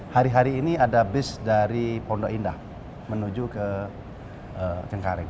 hari hari ini ada bus dari pondok indah menuju ke cengkareng